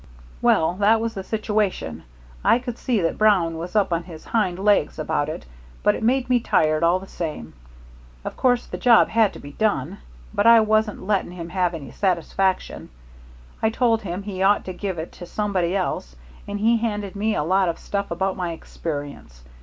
"Well, that was the situation. I could see that Brown was up on his hind legs about it, but it made me tired, all the same. Of course the job had to be done, but I wasn't letting him have any satisfaction. I told him he ought to give it to somebody else, and he handed me a lot of stuff about my experience.